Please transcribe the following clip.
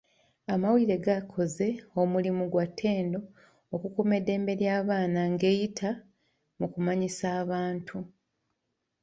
Amawulire gakoze omulimu gwa ttendo okukuuma eddembe ly'abaana ng'eyita mu kumanyisa abantu.